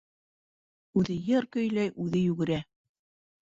Үҙе йыр көйләй, үҙе йүгерә.